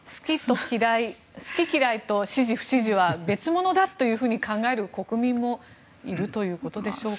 好き、嫌いと支持、不支持は別物だというふうに考える国民もいるということでしょうか。